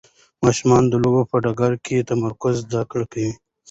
ماشومان د لوبو په ډګر کې تمرکز زده کوي.